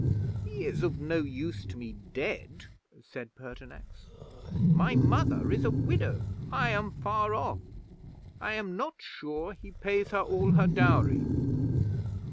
'"He is of no use to me dead," said Pertinax. "My mother is a widow. I am far off. I am not sure he pays her all her dowry."